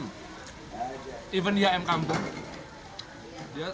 bahkan dia ayam kampung